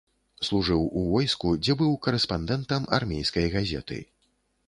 Служыў у войску, дзе быў карэспандэнтам армейскай газеты.